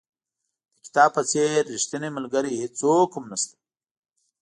د کتاب په څېر ریښتینی ملګری هېڅوک هم نشته.